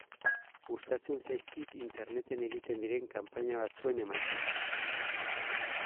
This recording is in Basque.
Gustatzen zaizkit Interneten egiten diren kanpaina batzuen emaitzak.